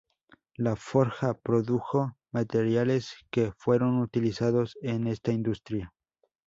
La forja produjo materiales que fueron utilizados en esta industria.